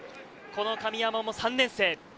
この神山も３年生。